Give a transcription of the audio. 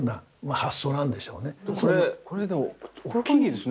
これこれでも大きいですね。